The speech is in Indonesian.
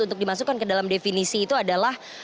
untuk dimasukkan ke dalam definisi itu adalah